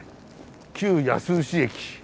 旧安牛駅。